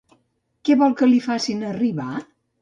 Què vol que li facin arribar?